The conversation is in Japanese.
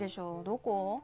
どこ？